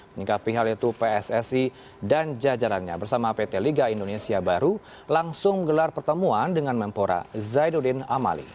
menikapi hal itu pssi dan jajarannya bersama pt liga indonesia baru langsung gelar pertemuan dengan mempora zainuddin amali